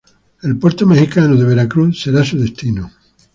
El puerto mexicano de Veracruz será su destino.